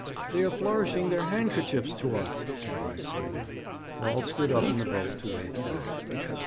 'They are flourishing their handkerchiefs to us,' cried someone. All stood up in the boat to wave back.